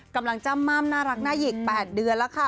จำม่ำน่ารักน่าหยิก๘เดือนแล้วค่ะ